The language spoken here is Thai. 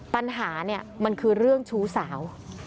ปัญหาเนี่ยมันคือเรื่องชู้สาว